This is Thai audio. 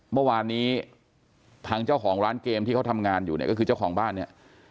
เมื่อวานนี้ทางเจ้าของร้านเกมที่เขาทำงานอยู่เนี่ยก็คือเจ้าของบ้านเนี่ย